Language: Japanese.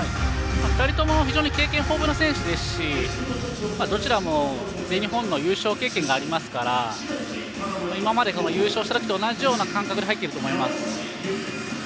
２人とも非常に経験豊富な選手ですしどちらも全日本の優勝経験がありますから今まで優勝した時と同じような感覚で入っていると思います。